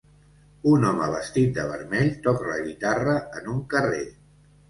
Un home vestit de vermell toca la guitarra en un carrer.